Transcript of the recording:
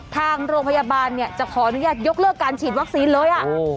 ทางโรงพยาบาลเนี่ยจะขออนุญาตยกเลิกการฉีดวัคซีนเลย